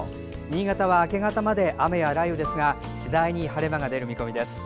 新潟は明け方まで雨や雷雨ですが次第に晴れ間が出る見込みです。